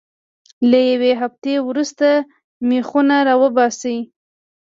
له یوې هفتې وروسته میخونه را وباسئ.